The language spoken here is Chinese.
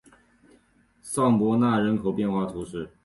尚博纳人口变化图示